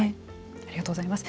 ありがとうございます。